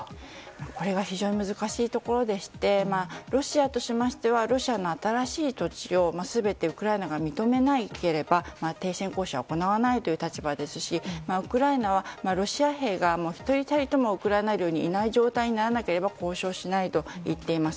これが非常に難しいところでしてロシアとしましてはロシアの新しい土地を全てウクライナが認めなければ停戦交渉は行わないという立場ですしウクライナはロシア兵が一人たりともウクライナ領にいない状況にならなければ交渉しないと言っています。